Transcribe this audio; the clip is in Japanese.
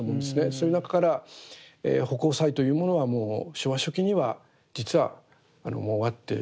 そういう中から葆光彩というものはもう昭和初期には実はもう終わって。